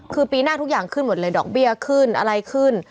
คือปีหน้าทุกอย่างขึ้นหมดเลยดอกเบี้ยขึ้นอะไรขึ้น